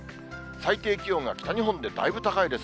最低気温が北日本でだいぶ高いです。